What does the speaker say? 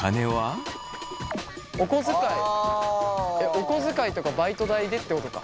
お小遣いとかバイト代でってことか。